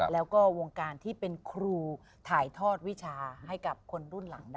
แล้วก็วงการที่เป็นครูถ่ายทอดวิชาให้กับคนรุ่นหลังได้